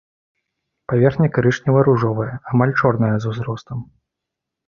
Паверхня карычнева-ружовая, амаль чорная з узростам.